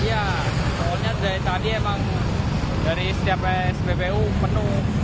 iya soalnya dari tadi emang dari setiap spbu penuh